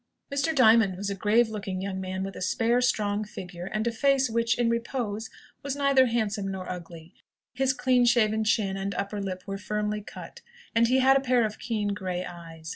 Mr. Diamond was a grave looking young man, with a spare, strong figure, and a face which, in repose, was neither handsome nor ugly. His clean shaven chin and upper lip were firmly cut, and he had a pair of keen grey eyes.